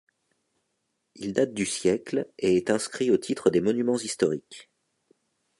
Il date du siècle et est inscrit au titre des Monuments historiques.